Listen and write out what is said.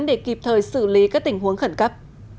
để kịp thời xử lý các tình huống khẩn cấp